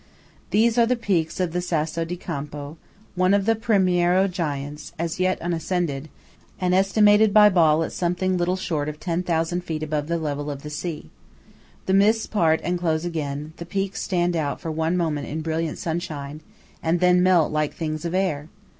These are the peaks of the Sasso di Campo, one of the Primiero giants, as yet unascended, and estimated by Ball at something little short of 10,000 feet above the level of the sea. The mists part and close again; the peaks stand out for one moment in brilliant sunshine, and then melt like things of air!